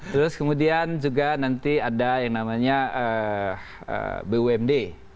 terus kemudian juga nanti ada yang namanya bumd